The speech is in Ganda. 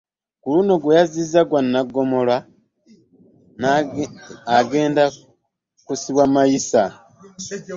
Ku luno gwe yazzizza gwa Nnagganda era wa kusibwa mayisa.